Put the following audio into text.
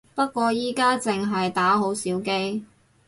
不過而家淨係打好少機